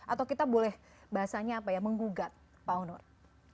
atau kita boleh bahasanya apa ya menggugat pak onur